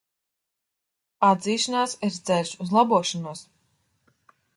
Atzīšanās ir ceļš uz labošanos.